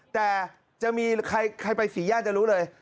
แต่กูจากถนนสี่ย่างจะรู้เลย